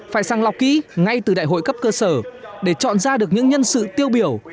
phải sang lọc kỹ ngay từ đại hội cấp cơ sở để chọn ra được những nhân sự tiêu biểu